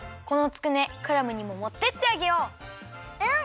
このつくねクラムにももってってあげよう。